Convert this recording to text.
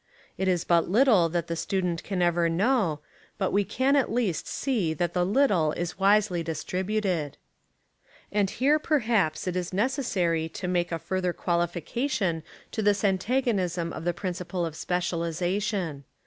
It is but little that the student can ever know, but we can at least see that the little is wisely distributed. And here perhaps it is necessary to make a further qualification to this antagonism of the principle of speciahsation.